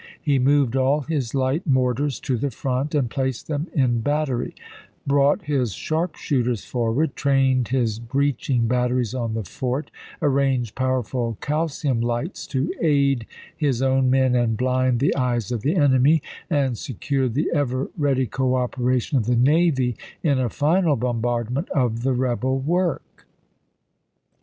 He moved all his light mortars to the front and placed them in battery, brought his sharpshooters forward, trained his breeching batteries on the fort, arranged power ful calcium lights to aid his own men and blind the eyes of the enemy, and secured the ever ready cooperation of the navy in a final bombardment of the rebel work.